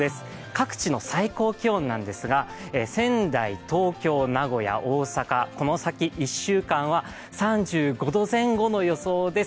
各地の最高気温ですが、仙台、東京、名古屋、大阪、この先１週間は３５度前後の予想です。